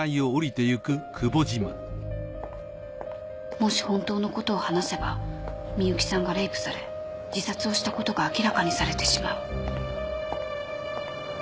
もし本当のことを話せば深雪さんがレイプされ自殺をしたことが明らかにされてしまう